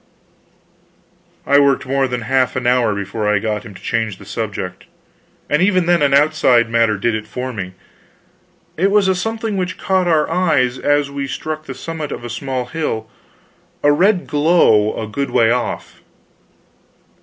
I worked more than half an hour before I got him to change the subject and even then an outside matter did it for me. This was a something which caught our eyes as we struck the summit of a small hill a red glow, a good way off.